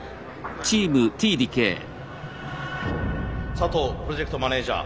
佐藤プロジェクトマネージャー